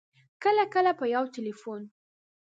کله کله په یو ټېلفون